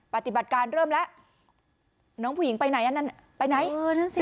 ปฏิบัติการเริ่มแล้วน้องผู้หญิงไปไหนอันนั้นไปไหนเออนั่นสิ